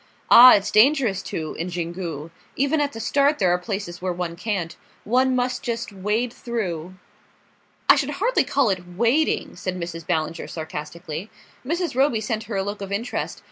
"Ah, it's dangerous to, in Xingu. Even at the start there are places where one can't. One must just wade through." "I should hardly call it wading," said Mrs. Ballinger sarcastically. Mrs. Roby sent her a look of interest.